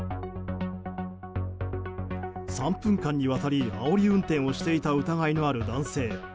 ３分間にわたり、あおり運転をしていた疑いのある男性。